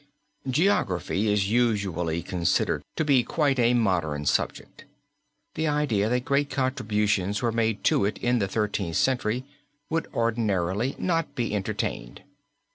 Geography is usually considered to be quite a modern subject. The idea that great contributions were made to it in the Thirteenth Century would ordinarily not be entertained.